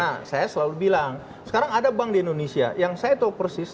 nah saya selalu bilang sekarang ada bank di indonesia yang saya tahu persis